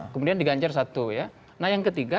kemudian diganjar satu ya nah yang ketiga